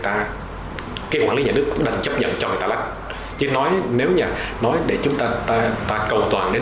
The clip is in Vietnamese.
ta cái quản lý nhà nước cũng đang chấp nhận cho người ta lách chứ nói để chúng ta cầu toàn đến